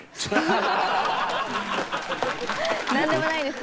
なんでもないです。